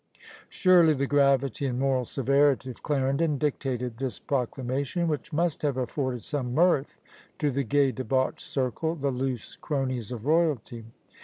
Surely the gravity and moral severity of Clarendon dictated this proclamation! which must have afforded some mirth to the gay, debauched circle, the loose cronies of royalty!